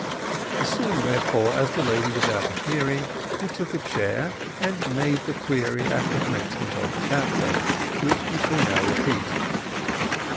As soon, therefore, as the lady was out of hearing, he took a chair, and made the query at the commencement of the chapter, which we shall now repeat.